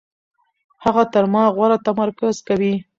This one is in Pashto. هغه تر ما غوره تمرکز کوي.